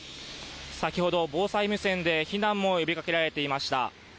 先ほど防災無線で避難も呼びかけられていました。